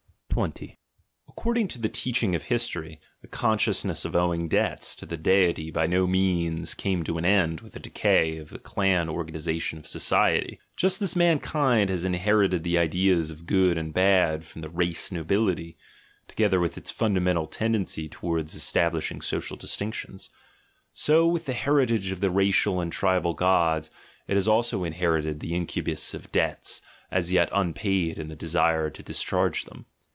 20. According to the teaching of history, the consciousness of owing debts to the deity by no means came to an end with the decay of the clan organisation of society; just as mankind has inherited the ideas of "good" and "bad" from the race nobility (together with its fundamental tendency towards establishing social distinctions) , so with the heritage of the racial and tribal gods it has also in herited the incubus of debts as yet unpaid and the desire to discharge them.